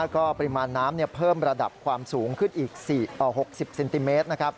ก็ปริมาณน้ำเพิ่มระดับความสูงขึ้นอีก๖๐เซนติเมตร